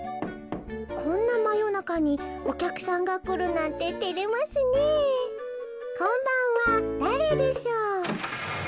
「こんなまよなかにおきゃくさんがくるなんててれますねえこんばんはだれでしょう？」。